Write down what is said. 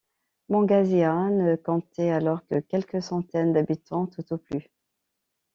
Mangazeïa ne comptait alors que quelques centaines d'habitants tout au plus.